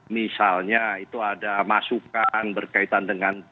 misalnya itu ada masukan berkaitan dengan